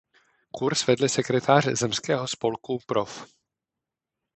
Kurz vedli sekretář zemského spolku prof.